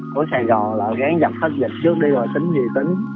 của sài gòn là ráng dặm hết dịch trước đi rồi tính gì tính